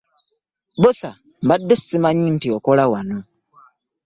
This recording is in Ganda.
Bbosa mbadde ssimanyi nti akola wano.